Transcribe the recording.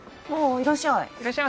いらっしゃいませ。